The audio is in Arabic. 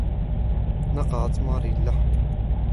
نقعت ماري اللحم.